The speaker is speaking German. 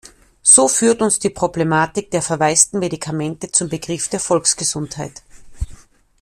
So führt uns die Problematik der "verwaisten Medikamente" zum Begriff der Volksgesundheit.